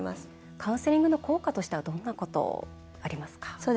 カウンセリングの効果としてはどんなことがありますか？